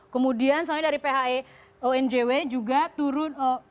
kemudian soalnya dari phe onjw juga turun